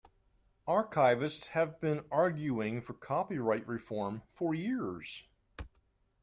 Archivists have been arguing for copyright reform for years.